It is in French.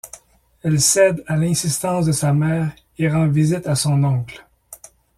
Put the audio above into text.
Elle cède à l'insistance de sa mère et rend visite à son oncle.